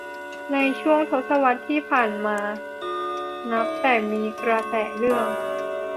ในช่วงทศวรรษที่ผ่านมานับแต่มีกระแสเรื่อง